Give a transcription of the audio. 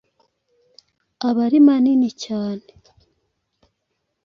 aba ari manini cyane